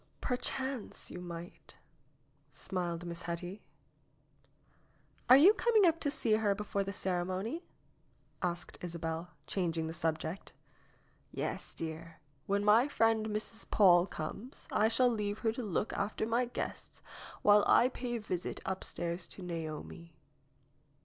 "Perchance you might," smiled Miss Hetty. "Are you coming up to see her before the ceremony ?" asked Isabel, changing the subject. "Yes, dear. When my friend, Mrs. Paule, comes, I shall leave her to look after my guests while I pay a visit upstairs to Naomi."